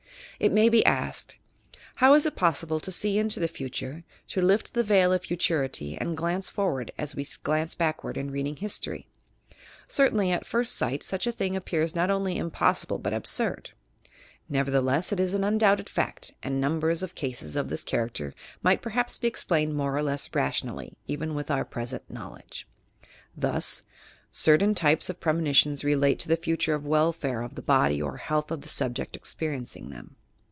It may be asked: "How is it pos sible to see into the future, to lift the veil of futurity and glance forward as we glance backward in reading historyl" Certainly, at first sight such a thing ap pears not only impossible but absurd. Nevertheless it is an undoubted fact, and numbers of cases of this PROPHECY VS. FORTUNE TELLING character might perhaps be explained more or less ra tionally — even with our present knowledge. Thus: certain types of premonitions relate to the future welfare of the body or health of the subject experiencing them.